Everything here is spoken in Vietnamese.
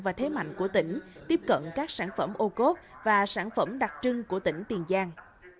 và thế mạnh của tỉnh tiếp cận các sản phẩm ô cốt và sản phẩm đặc trưng của tỉnh tiền giang